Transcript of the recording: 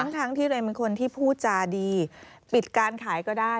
ทั้งที่เรนเป็นคนที่พูดจาดีปิดการขายก็ได้